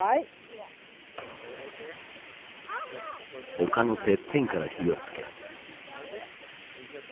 丘のてっぺんから火を付け。